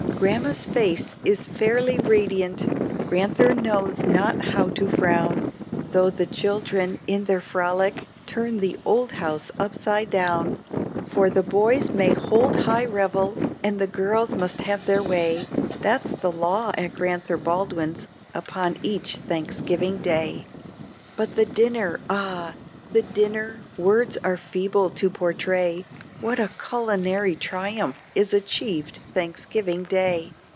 Grandma's face is fairly radiant; Grand'ther knows not how to frown, though the children, in their frolic, turn the old house upside down. For the boys may hold high revel, and the girls must have their way; That's the law at Grand'ther Baldwin's upon each Thanksgiving Day. But the dinner ah! the dinner words are feeble to portray What a culinary triumph is achieved Thanksgiving Day!